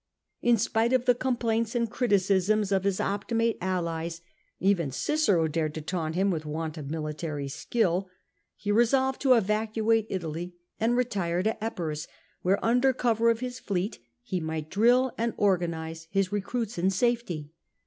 In spite of the com plaints and criticisms of his Optimate allies — even Cicero dared to taunt him with want of military skill — he resolved to evacuate Italy and retire to Epirus, whore, under cover of his fleet, he might drill and organise his recruits in safety.